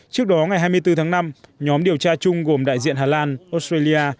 trước đó ngày hai mươi bốn tháng năm nhóm điều tra chung gồm đại diện hà lan australia